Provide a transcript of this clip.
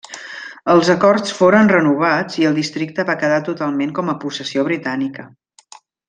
Els acords foren renovats i el districte va quedar totalment com a possessió britànica.